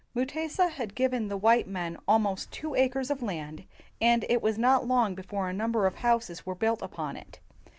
Mutesa had given the white men almost two acres of land, and it was not long before a number of houses were built upon it.